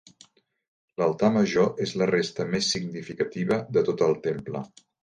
L'Altar major és la resta més significativa de tot el temple.